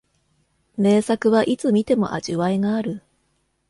名作はいつ観ても味わいがある